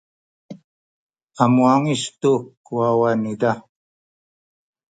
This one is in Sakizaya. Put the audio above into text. a muwangic tu ku wawa niza.